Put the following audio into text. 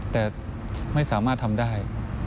แต่ไม่สามารถทำได้